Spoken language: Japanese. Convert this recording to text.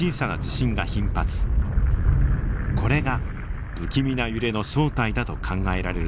これが不気味な揺れの正体だと考えられるのです。